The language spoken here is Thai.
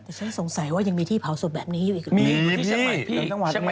แต่ฉันสงสัยว่ายังมีที่เผาศพแบบนี้อยู่อีกหรือไม่มีมีที่เชียงใหม่พี่